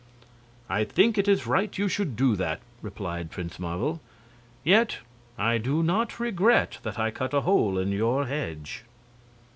"I think it is right you should do that," replied Prince Marvel. "Yet I do not regret that I cut a hole in your hedge."